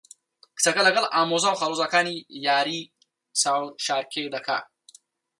کچەکە لەگەڵ ئامۆزا و خاڵۆزاکانی یاریی چاوشارکێ دەکا.